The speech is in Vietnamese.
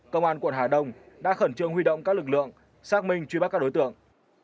công an quận hà đông đã khẩn trương huy động các lực lượng xác minh truy bắt các đối tượng